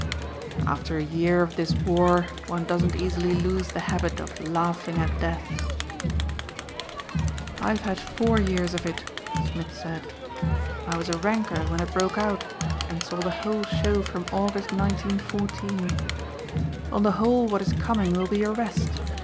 "After a year of this war one doesn't easily lose the habit of laughing at death." "I've had four years of it," Smith said. "I was a ranker when it broke out and saw the whole show from August 1914. On the whole what is coming will be a rest.